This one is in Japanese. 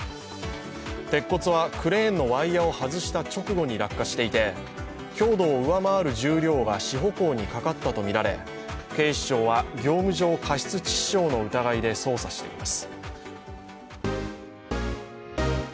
鉄骨はクレーンのワイヤーを外した直後に落下していて強度を上回る重量が支保工にかかったとみられ業務上過失致死傷の疑いで捜査しています。